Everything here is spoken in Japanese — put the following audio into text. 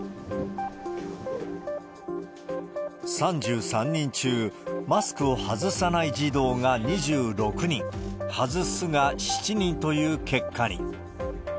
３３人中、マスクを外さない児童が２６人、外すが７人という結果に。